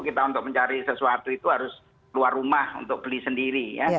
kita untuk mencari sesuatu itu harus keluar rumah untuk beli sendiri ya